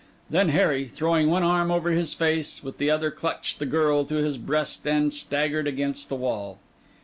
Then Harry, throwing one arm over his face, with the other clutched the girl to his breast and staggered against the wall.